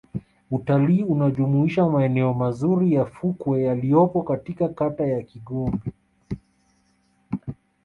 Utalii unajumuisha maeneo mazuri ya fukwe yaliyopo katika kata ya Kigombe